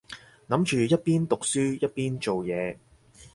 諗住一邊讀書一邊做嘢